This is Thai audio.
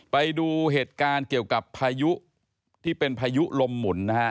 ไปดูเหตุการณ์เกี่ยวกับพายุที่เป็นพายุลมหมุนนะฮะ